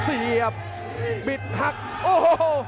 เสียบบิดหักโอ้โห